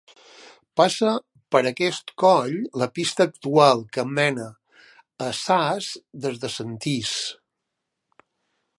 Passa per aquest coll la pista actual que mena a Sas des de Sentís.